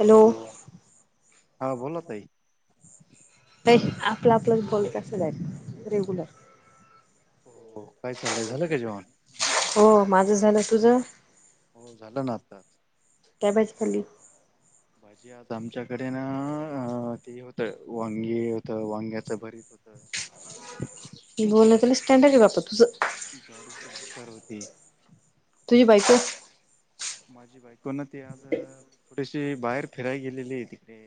Hello हा बोला ताई. काही आपलं आपलंच बोल कसं जाय रेग्युलर. हो. काय चाललंय झालं का जेवण हो माझं झालं, तुझ? हो, झालं ना आता. काय भाजी खाल्ली? भाजी आज आमच्याकडे ना अ ते होतं वांगी होतं, वांग्याच भरीत होतं. ज्वारी [unintelligible] स्टंटच हाय बाप तुझं. ज्वारीची भाकर होती. तुझी बायको. माझी बायको ना ती आज थोडीशी बाहेर फिराय गेलेली आहे तिकडे.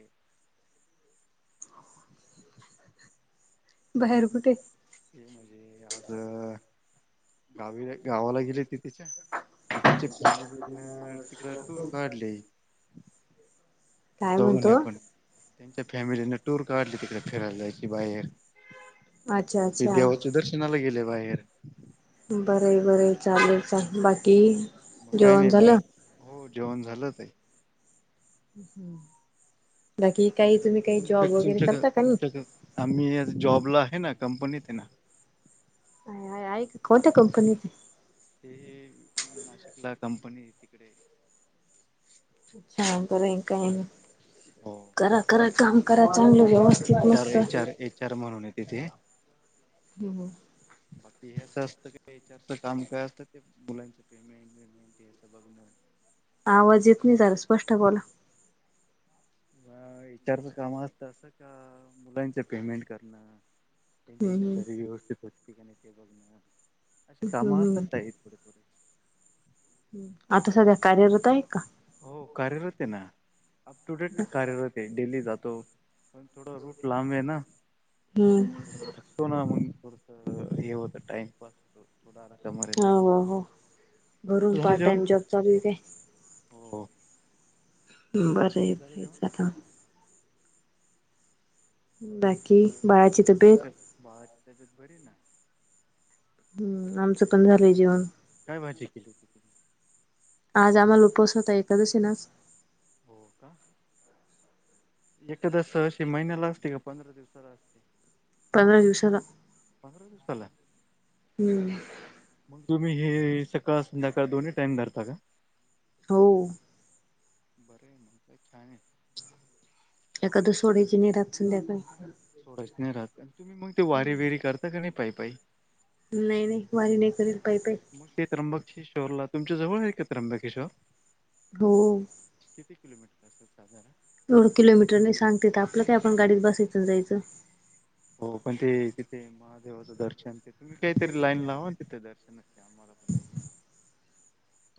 बाहेर कुठे? ते म्हणजे आज गावीला गावाला गेले ती तिच्या. त्यांच्या फॅमिलीन तिकडं टूर काढले. काय जाऊ म्हणे म्हणतो आपण त्यांच्या फॅमिलीनं टूर काढली तिकडे फिरायला जायची बाहेर. अच्छा मग ते अच्छा देवाचै दर्शनाला गेले बाहेर. बर आहे बर आहे चालेल चल. बाकी? मग काही जेवण नाही बा. झालं हो जेवण झालंच आहे. हं बाकी काही तुमचं तुम्ही काही तुमच्या जॉब वगैरे तुमच्या करता का नाही? तुमच्या आम्ही आज जॉबला आहे ना कंपनीत आहे ना. आहे खोटं कंपनीत. ते नाशिकला कंपनी आहे तिकडे अच्छा, बरये काय आणि. हो करा करा ते काम करा, चांगलं व्यवस्थित मस्त. चर्म म्हणून तिथे. हम्म हम्म. बाकी हेच असतं. का एचआरच काम काय असतं ते मुलांच पेमेंट. [unintelligible] असं बघण. आवाज येत नाही. दादा स्पष्ट बोला. विचारच काम असत असं का, मुलांच पेमेंट करणं. त्यांची हम्म हम्म सॅलरी व्यवस्थित होती का नाही, ते बघण अशी काम असतात हम्म काही थोडेे थोडे. हं आता सगळ्या कार्यरत आहे का? हो कार्यरत आहे ना, अप टू डेट कार्यरत आहे. डेली जातो. पण थोडं रूट लांब आहे ना, त्यामुळे हम्म थोडा थक तो ना मग पुरत हे होत, टाइमपास होतं. [unintelligible] हो हो, तुमचं घरून झालं पार्ट जेवण टाइम जॉब चालू हाय काय. हो. बर तुमचं झालं बर जेवण आता. बाकी बाळाची तब्येत. भावाची तब्येत बरी नाय. हम्म, आमचं पण झालंय जेवण. काय भाजी केली होती ती. आज आम्हाला उपास होता, एकदशी ना आज. हो का. एखादी स -अशी महिन्याला असते, का पंधरा दिवसाला असते. पंधरा दिवसाला. पंधरा दिसला. हम्म मग ते, तुम्ही हे सकाळ संध्याकाळ, दोन्ही टाईम धरता का. हो. बरंय मग का छान आहे. एखादं सोड्याची नरात संध्याकाय. थोडंच नाही राहत. तुम्ही मग ते वारी विरी करता का नाही पाई पाई. नाही नाही, वारी नाही करेल पाइ पाइ. मग ते त्र्यंबकेश्वरला तुमच्या जवळ आहे का त्र्यंबकेश्वर. हो. किती किलोमीटर असतात साधारण. एवढं किलोमीटर नाही सांगते. आपलं का आपण गाडीत बसायच जायचं. हो पण ते तिथे महादेवाचं दर्शन ते, तुम्ही काहीतरी लाईन लावा ना तिथे दर्शनच आम्हाला. पण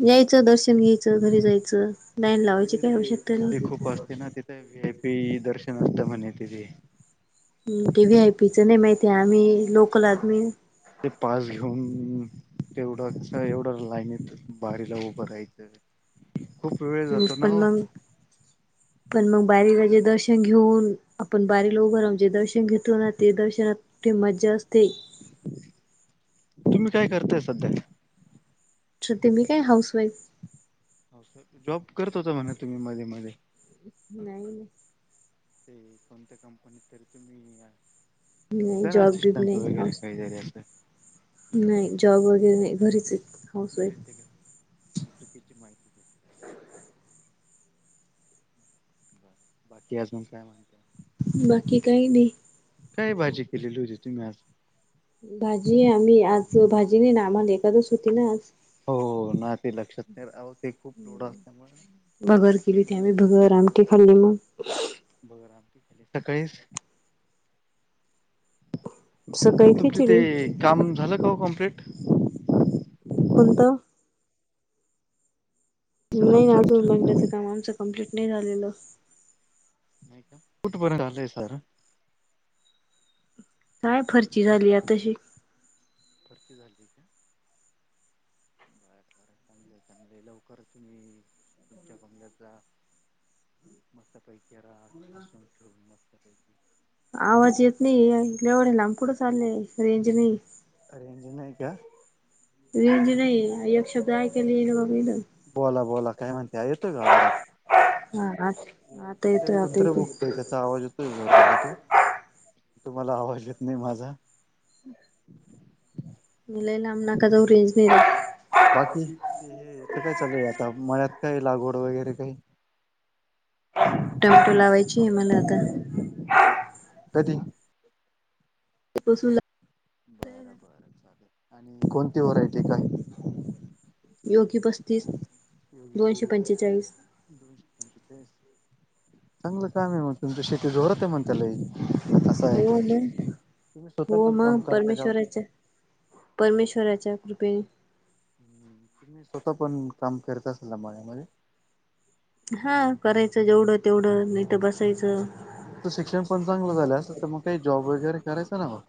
यायचं दर्शन घ्यायचं, घरी जायचं. लाईन लावायची काय आवश्यकता नाही. वीआयपी दर्शन होत म्हणे तिची. हं टी व्ही हाय पीचर नाही माहिती, आम्ही लोकल आदमी ते पास घेऊन. तेवढा एवढं लाईन बारीला उभं राहायचं. खूप वेळ मी जातो ना पण हो नाही. पण मग बारीला जे दर्शन घेऊन, आपण बारी लोव जे दर्शन घेतो ना ते दर्शनात. ती मज्जा असते. तुम्ही काय करताय सध्या? अच्छा, ते मी काय हाऊसवाईफ. हो काय? जॉब करत होता म्हणे तुम्ही मध्येे मध्ये. नाही नाही. ते कोणत्या कंपनीत तरी तुम्ही हा नाही होता ना जॉब बीब सिस्टम नाही तू वगैरे हाऊस काही तरी असं. नाही जॉब वगैरे घरीच हायत घरीच आहे का हाऊसवाईफ. मग चुकीची माहिती दिली. बाकी अजून काय म्हणताय? बाकी काही नाही. काय भाजी केलेली होती, तुम्ही आज. भाजी आम्ही आज भाजी नाही ना आम्हाला एकादस होती ना आज. हो ना, ते लक्षात नाही राह ते खूप लोढं असल्यामुळे ना. भगर केली होती आम्ही लक्षात भगर आणि ती खाल्ली मग. बघा ना सकाळी [unintelligible] तुमचे ते खिचडी काम झालं का ओ कंम्प्लीट? कोणतं? काम नाही चालू अजून झालं बांगल्याचं काम आमचं कंप्लीट नाही झालेलं. नाही का, कुठपर्यंत आलंय सार? नाय फरशी झाली आताशी. भरती झाली आहे का. चांगल हाय, चांगल हाय. लवकर तुम्ही तुमच्या बंगल्याचा मस्तपैकी रहा हसुन खेळून मस्तपैकी. आवाज येत नाहीये. एवढ्या लांब कुठं चाललंय? रेंज नाहीये. रेंज नाही का? रेंज नाही एक शब्द हो ऐकायला [unintelligible] बोला बोला काय म्हणताय, येतोय का आवाज आता? हा आता इथे येतोय आता कुंत्र भुकतय येतोय. त्याचा आवाज येतोय [unintelligible] तो, तुम्हाला आवाज येत नाही माझा? [inaudible] लई लांब नका जाऊ रेंज नाही रहात. बाकी हे हेच काय चालूय आता मळ्यात काय लागवड वगैरे काही? टोमॅटो मटो लावायची आहे मला आता. कधी? [unintelligible] बर बर चालेल आणि कोणती व्हरायटी काही? योगी पस्तीस. [unintelligible] दोनशे पंचेचाळीस. दोनशे पंचेचाळीस, चांगलं काम आहे मग तुमच शेती जोरात आहे मग. चाललंय असं आहे. हो [unintelligible] मग तुम्ही स्वतः हो पण मग काम करता का ओ? परमेश्वराच्या परमेश्वराच्या कृपेने. हं तुम्ही स्वतः पण काम करता असाल ना मळ्यामध्ये? हा करायचं जेवढं तेवढं नाहीतर बसायचं. तुमचं शिक्षण पण चांगलं झालं असेल तर मग काही जॉब वगैरे करायचं ना मग.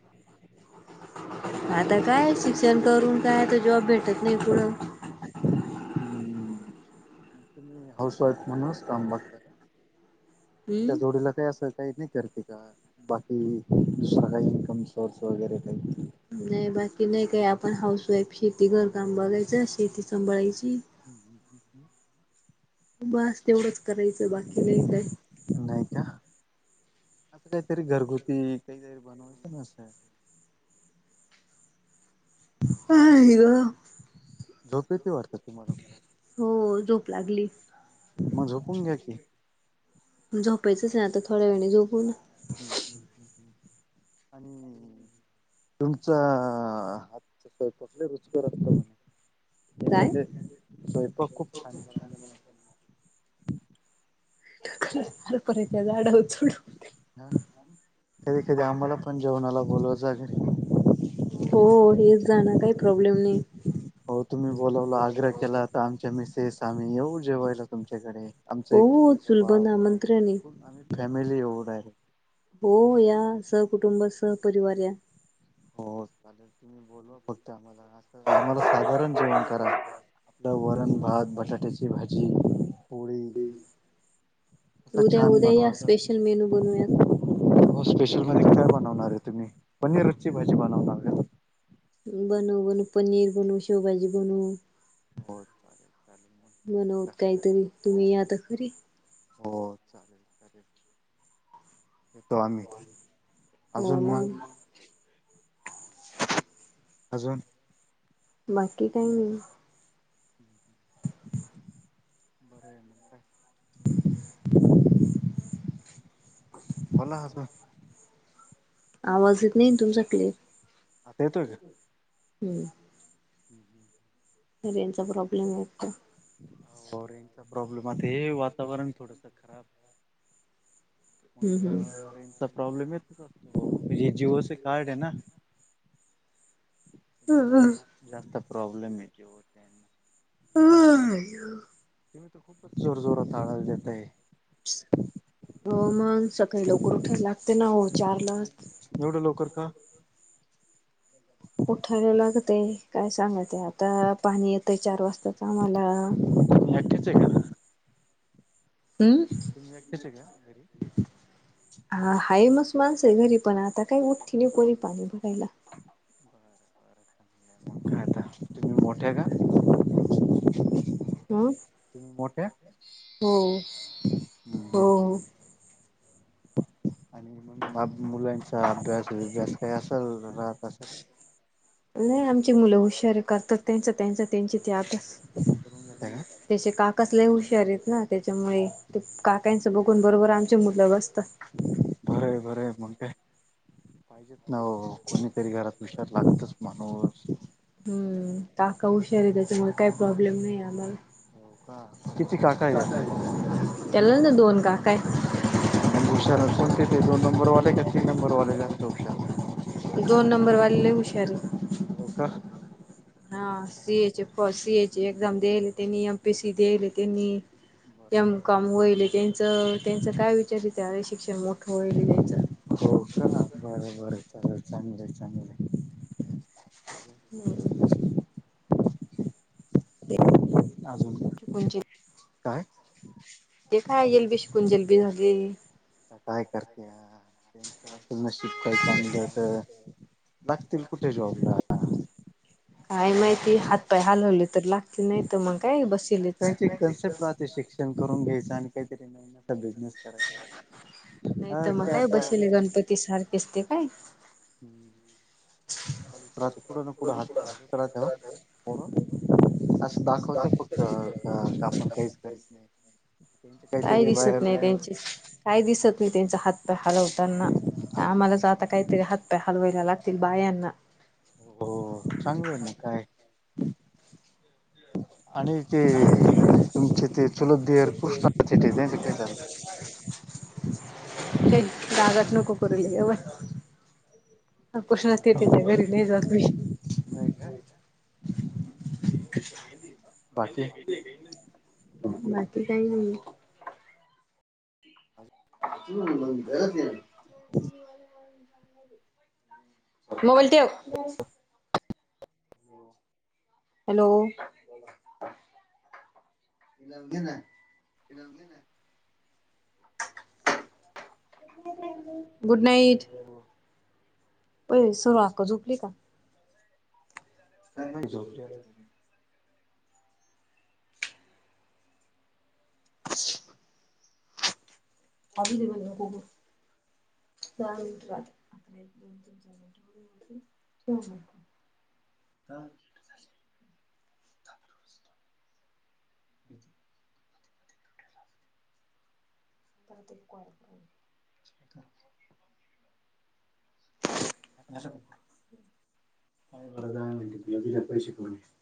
आता काय शिक्षण करून काय तर जॉब भेटत नाही पुढं. [inaudible] मग तुम्ही हाऊस वाईफ म्हणूनच काम बघता का? त्या हम्म जोडीला काय असलं. काही नाही करते का? बाकी दुसर काय इनकम सोर्स वगैरे काही? नाही बाकी नाही काय. आपण हाऊस वाईफ शेती, घर काम बघायचं, शेती सांभाळायची [unintelligible] बास तेवढंच करायचं, बाकी नाही काय. नाही का, असं काहीतरी घरगुती काहीतरी बनवायचं ना असं. आई गं. झोप येती वाटत तुम्हाला. हो झोप लागली. मग झोपून घ्या की, झोपायचंच आहे, आता थोड्या वेळाने झोपू ना. हं हं हं. अ [inaudible] तुमचा हात स्वयंपाक लै, रुचकर असतो म्हणे. काय स्वयंपाक खूप छान बनवता म्हणे. तुम्ही. [unintelligible] झाडावर चढू. हा कधी कधी आम्हाला पण जेवणाला बोलवत जा ग. हो हेच जाण काही प्रॉब्लेम नाही. हो तुम्ही बोलावला आग्रह केला. तर आमच्या मिसेस आम्ही येवू जेवायला तुमच्याकडे. आमचं हो एक हो, छोटस बाळ चुलबंद आमंत्रण आहे. आम्ही फॅमिली येऊ डायरेक्ट. हो या, सहकुटुंब सहपरिवार या. हो चालेल तुम्ही बोलवा फक्त, आम्हाला असं आम्हाला साधारण जेवण करा. आपलं वरण भात बटाट्याची भाजी. पोळी असं उद्या छान उद्या या बनवाच. स्पेशल मेनू बनवूयात हो स्पेशल मध्ये काय बनवणार आहे, तुम्ही पनीरची भाजी बनवणार का. बनवू बनवू पनीर बनवू शेवभाजी बनवू. हो चालेल चालेल मग बनवते काहीतरी तुम्ही या तरी खरी. हो चालेल चालेल. येतो आम्ही, अजून मग? अजून, बाकी काही नाही. बरं आहे मग काय. [inaudible] बोला हसून. आवाज येत नाही, तुमचा क्लेर. आता येतोय हं हं. रेंचा प्रॉब्लेम आहे वाटत. अहो रेंचा प्रॉब्लेम आहे, वातावरण थोडंसं खराब. हम्म मग रेंजचा प्रॉब्लेम येतंच असतो, जिओच कार्ड आहे ना. हम्म जास्त प्रॉब्लेम येतोय [unintelligible] आ आई. तुम्ही तर खूपच जोर जोरात [unintelligible] देत आहे. हो मग सकाळी लवकर उठायला लागते, ना हो चार लाच. एवढं लवकर का. उठायला लागते काय सांगायचं, आता पाणी येतंय चार वाजताच आम्हाला‌. [unintelligible] हम्म. तुम्ही एकट्याच आहे, का घरी. हा हाय मस माणस आहे घरी, पण आता [unintelligible] बरं बरं. [unintelligible] तुम्ही मोठ्या का. हम्म तुम्ही मोठ्या हो हो हो. आणि मग मुलांचा अभ्यास विभ्यास काय असाल राहत असेल ना. नाही आमची मुलं हुशारी करतात त्यांच त्यांच त्यांची त्यातच करून घेता का तेचे काकच लै हुशार आहेत ना, तेच्यामुळे. ते काकयांचा बघून बरोबर आमचे मुलं बसता. बर बर मग काय? पाहिजेेत ना हो कोणीतरी घरात विचार लागतच माणूस. हम्म काका हुशार त्याच्यामुळे काही प्रॉब्लेम नाही आम्हाला. हो का? तिचे काका आहेत त्याला ना दोन काका आहे. मग हुशार कोणते ते दोन नंबरवाले का तीन नंबर वाले जास्त हुशार दोन नंबरवाली लई हुशार आहे. हो का? हा सी ए चे फ सीए ची एक्झाम देईले त्यांनी एम पी सी देईले त्यांनी. त्यामुळं काम होईले त्यांचं त्यांचं काय विचारी त्या वेळी शिक्षण मोठं होईले त्यांचं. हो का बर बर चालाल चांगलं आहे चांगलं. हम्म अजून ते अजून [inaudible] शिकून काय ते काय एलबी शिकून जलबी झाली. आता काय करत्या? त्यांच्या असेल न शिकय चांगलं तर लागतील कुठही जॉबला. काय माहिती हातपाय हालवले तर लाग की नाहीत मग काय बस काय त्यांची कन्सेप्ट राहते शिक्षण करून घ्यायचं आणि काहीतरी [inaudible] बिझनेस करायचा. राहतो. नाही हा तर मग काय आता बसले जमतात सारखेच ते काय हम्म. [inaudible] चालूच राहतं कुड ना कुड हात [unintelligible] राहतं. [unintelligible] दाखवते फक्त त्या कामं काहीच करीत नाही त्यांचे काय काहीतरी दिसत बाहेर नाही त्यांची काय दिसत नाही त्यांचा हात पाय हलवताना. आम्हालाच आता काहीतरी हात पाय हलवायला लागतील बायांना. हो चांगलय मग काय आणि चे तुमचे चुलत ते धीयर [unintelligible] त्यांचं काय चाललं? काही गागात नको करू. [unintelligible] पुशणते त्याच्या घरी नाही जखमी [unintelligible] नाही काय? बाकी. बाकी काही नाही [inaudible] [unintelligible] मोबाईल ठेव. हॅलो. फिरवली नाय गुड नाईट हॅलो पैसू आका झोपली का? काय माहित झोपली आहेत. अच आणून दे मला कोको. [unintelligible] [inaudible] [inaudible] पण [inaudible] [unintelligible] [unintelligible]